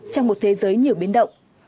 trong một thế giới nhiều biến động